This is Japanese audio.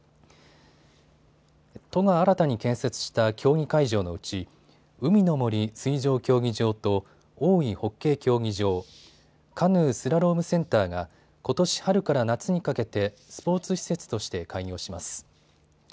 都が新たに建設した競技会場のうち海の森水上競技場と大井ホッケー競技場、カヌー・スラロームセンターがことし春から夏にかけてスポーツ施設として開業します。